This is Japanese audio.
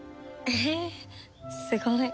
へえすごい。